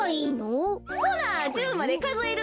ほな１０までかぞえるんやで。